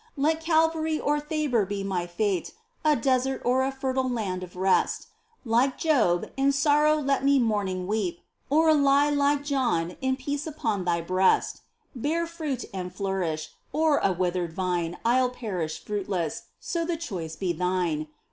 Let Calvary or Thabor be my fate, A desert or a fertile land of rest ; Like Job, in sorrow let me mourning weep, Or lie, like John, in peace upon Thy breast ; Bear fruit and flourish, or, a withered vine I'll perish fruitless, so the choice be Thine